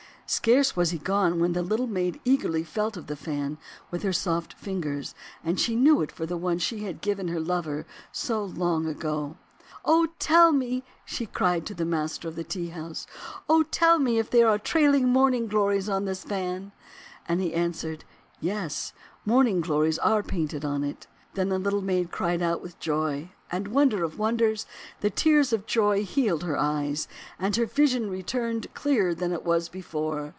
Scarce was he gone when the Little Maid eagerly felt of the fan with her soft fingers; and she knew it for the one she had given her lover so long ago. 178 THE WONDER GARDEN "Oh, tell me," she cried to the master of the tea house, 'oh, tell me if there are trailing Morning Glories on this fan!' And he answered, 'Yes, Morning Glories are painted on it." Then the Little Maid cried out with joy; and, wonder of wonders ! the tears of joy healed her eyes, and her vision returned clearer than it was before.